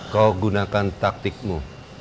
kau gunakan taktikmu